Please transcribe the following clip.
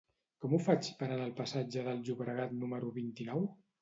Com ho faig per anar al passatge del Llobregat número vint-i-nou?